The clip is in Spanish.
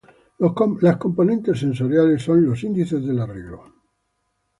Las "componentes" tensoriales son los índices del arreglo.